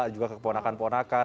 juga ke keponakan ponakan